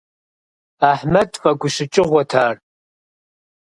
Ахьмэд фӀэгущыкӀыгъуэт ар.